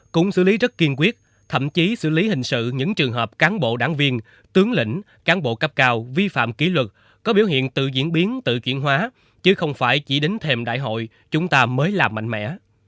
cũng xử lý rất kiên quyết thậm chí xử lý hình sự những trường hợp cán bộ đảng viên tướng lĩnh cán bộ cấp cao vi phạm kỷ luật có biểu hiện tự diễn biến tự chuyển hóa chứ không phải chỉ đến thềm đại hội chúng ta mới làm mạnh mẽ